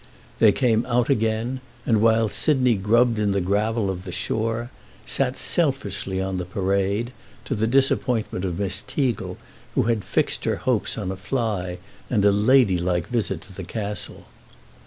They came out again and, while Sidney grubbed in the gravel of the shore, sat selfishly on the Parade, to the disappointment of Miss Teagle, who had fixed her hopes on a fly and a ladylike visit to the castle.